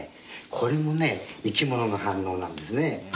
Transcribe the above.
これも生き物の反応なんですね。